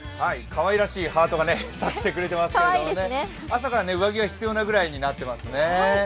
かわいらしいハートが指してくれてますけれども、朝から上着が必要なくらいになってますね。